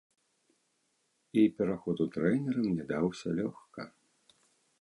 І пераход у трэнеры мне даўся лёгка.